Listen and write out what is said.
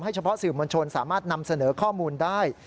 เฉพาะสื่อมวลชนสามารถนำเสนอข้อมูลได้